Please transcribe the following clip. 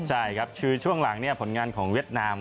ใช่ครับคือช่วงหลังผลงานของเวียดนาม